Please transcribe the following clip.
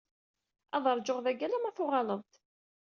Ad ṛǧuɣ dagi ḥala ma tuɣaleḍ-d.